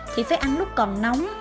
thì phải ăn lúc còn nóng